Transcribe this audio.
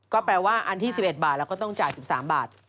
ก็แปลว่าอันที่๑๑บาทเราก็ต้องจ่าย๑๓บาท